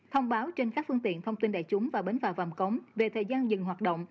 thông báo trên các phương tiện thông tin đại chúng và bến phà vàm cống về thời gian dừng hoạt động